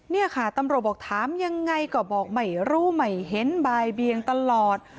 นี่ค่ะตำรวจบอกถามยังไงก็บอกไม่รู้ไม่เห็นบายเบียงตลอด